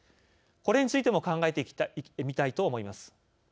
これについても考えてみたいと思います。